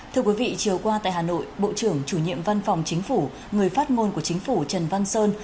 thưa quý vị chiều qua tại hà nội bộ trưởng chủ nhiệm văn phòng chính phủ người phát ngôn của chính phủ trần văn sơn